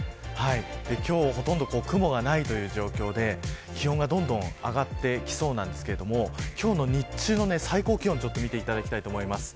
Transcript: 今日は、ほとんど雲がないという状況で気温がどんどん上がってきそうなんですけど今日の日中の最高気温を見ていただきたいと思います。